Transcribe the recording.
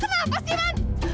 kenapa sih man